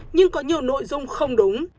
nhưng có nhiều nội dung không đúng